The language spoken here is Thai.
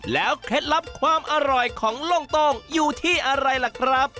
เคล็ดลับความอร่อยของโล่งโต้งอยู่ที่อะไรล่ะครับ